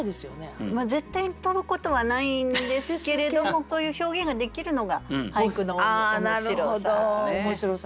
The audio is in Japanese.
絶対飛ぶことはないんですけれどもこういう表現ができるのが俳句の面白さ。